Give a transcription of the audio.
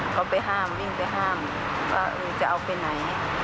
เขาไปห้ามวิ่งไปห้ามว่าจะเอาไปไหน